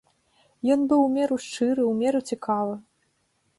Ён быў у меру шчыры, у меру цікавы.